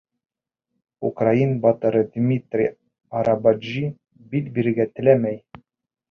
Украин батыры Дмитрий Арабаджи бил бирергә теләмәй.